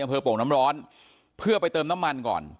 โป่งน้ำร้อนเพื่อไปเติมน้ำมันก่อน